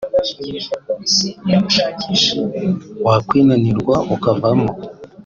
wakwinanirwa ukavamo